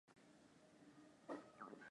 Benki hiyo kwa sasa inafanya utafiti